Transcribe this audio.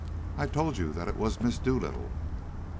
I told you that it was Miss Dolittle."